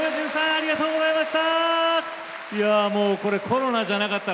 ありがとうございます。